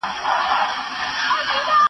دا د کتابتون د کار مرسته ګټوره ده!.